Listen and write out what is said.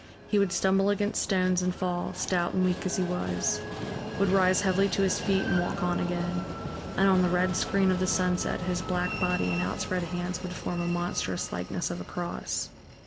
He would stumble against stones and fall, stout and weak as he was; would rise heavily to his feet and walk on again; and on the red screen of the sunset his black body and outspread hands would form a monstrous likeness of a cross.